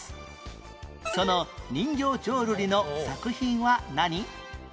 その人形浄瑠璃の作品は何？